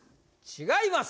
違います